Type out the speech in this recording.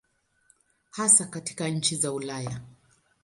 Hasa katika nchi za Ulaya.